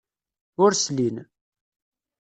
Ur slin.